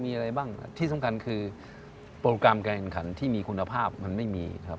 ที่สำคัญคือโปรแกรมแข่งขันที่มีคุณภาพมันไม่มีครับ